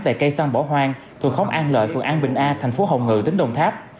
tại cây săn bỏ hoang thuộc khống an lợi phương an bình a thành phố hồng ngự tỉnh đồng tháp